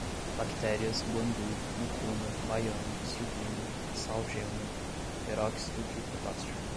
bactérias, guandu, mucuna, baiano, silvina, sal gema, peróxido de potássio